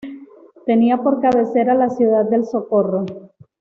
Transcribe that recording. Tenía por cabecera a la ciudad del Socorro.